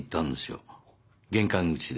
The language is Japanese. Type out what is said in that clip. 玄関口で。